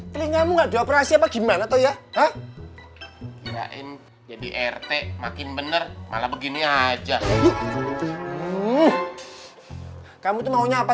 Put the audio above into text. telinga mu nggak dioperasi apa gimana toya jadi rt makin bener malah begini aja kamu mau nyapa